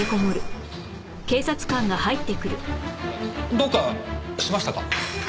どうかしましたか？